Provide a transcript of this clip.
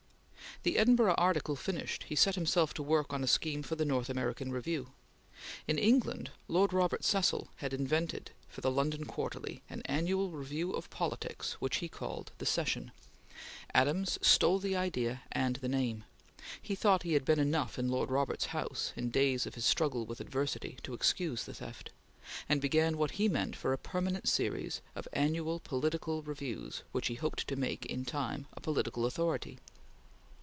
The Edinburgh article finished, he set himself to work on a scheme for the North American Review. In England, Lord Robert Cecil had invented for the London Quarterly an annual review of politics which he called the "Session." Adams stole the idea and the name he thought he had been enough in Lord Robert's house, in days of his struggle with adversity, to excuse the theft and began what he meant for a permanent series of annual political reviews which he hoped to make, in time, a political authority.